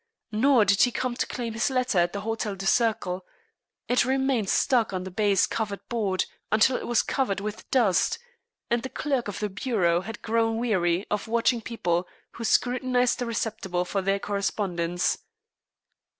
Nor did he come to claim his letter at the Hotel du Cercle. It remained stuck on the baize covered board until it was covered with dust, and the clerk of the bureau had grown weary of watching people who scrutinized the receptacle for their correspondence.